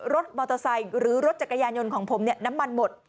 รถมอเตอร์ไซค์หรือรถจักรยานยนต์ของผมเนี่ยน้ำมันหมด